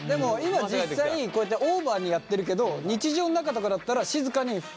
今実際こうやってオーバーにやってるけど日常の中とかだったら静かに。